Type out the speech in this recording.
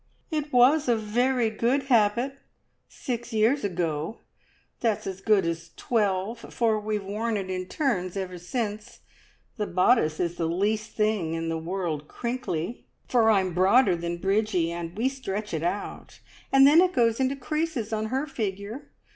"It was a very good habit six years ago! That's as good as twelve, for we've worn it in turns ever since. The bodice is the least thing in the world crinkly, for I'm broader than Bridgie, and stretch it out, and then it goes into creases on her figure.